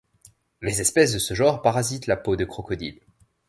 Les espèces de ce genre parasitent la peau de crocodiles.